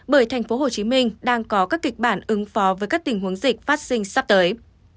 bởi thành phố hồ chí minh đang có các kịch bản ứng phó với các tình huống dịch phát sinh sắp tới